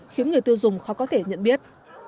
khiến người tiêu dùng khó có thể nhận biết